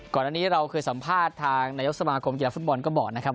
ก่อนอันนี้เราเคยสัมภาษณ์ทางนายกสมาคมกีฬาฟุตบอลก็บอกนะครับ